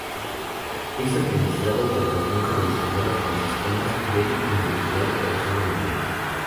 Es administrado por las monjas misioneras franciscanas del Inmaculado Corazón de María.